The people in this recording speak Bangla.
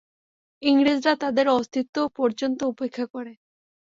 ইংরেজরা তাদের অস্তিত্ব পর্যন্ত উপেক্ষা করে।